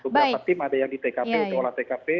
beberapa tim ada yang di tkp di olah tkp